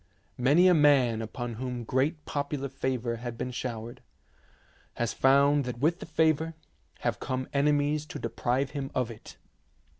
Many a man upon whom great popular favour has been showered, has found that with the favour have come enemies to deprive him of it.